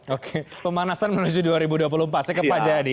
oke pemanasan menuju dua ribu dua puluh empat saya ke pak jayadi